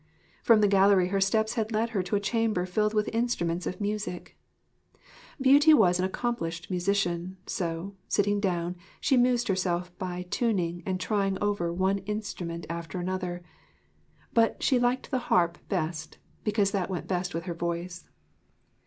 From the gallery her steps had led her to a chamber filled with instruments of music. Beauty was an accomplished musician; so, sitting down, she amused herself by tuning and trying over one instrument after another; but she liked the harp best because that went best with her voice.